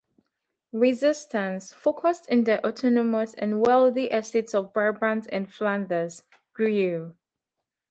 Resistance, focused in the autonomous and wealthy Estates of Brabant and Flanders, grew.